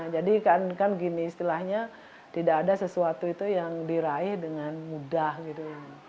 jadi kan gini istilahnya tidak ada sesuatu itu yang diraih dengan mudah gitu